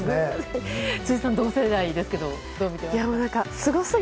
辻さん、同世代ですけどどう見てますか？